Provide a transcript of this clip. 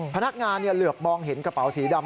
พนักงานเหลือบมองเห็นกระเป๋าสีดำ